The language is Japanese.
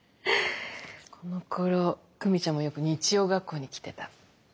このころ久美ちゃんもよく日曜学校に来てた。